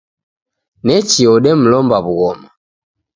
Nechi odemlomba w'ughoma.